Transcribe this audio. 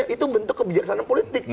itu bentuk kebijaksanaan politik